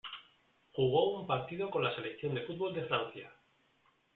Jugó un partido con la selección de fútbol de Francia.